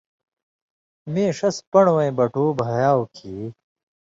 مِیں ݜس پن٘ڑہۡ وَیں بٹُو بھیاؤ کھیں